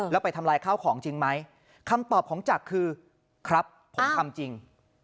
แล้วไปทำลายข้าวของจริงไหมคำตอบของจักรคือครับผมทำจริง